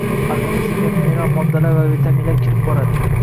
Organizmga mineral moddalar va vitaminlar kirib boradi.